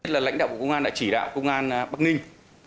lãnh đạo bộ công an đã chỉ đạo bộ công an bắc ninh